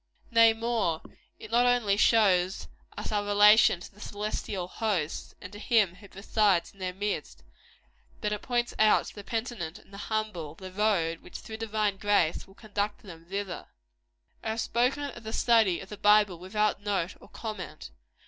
Nay, more; it not only shows us our relation to the celestial hosts, and to Him who presides in their midst, but it points out to the penitent and the humble, the road which, through divine grace, will conduct them thither. I have spoken of the study of the Bible without note or comment.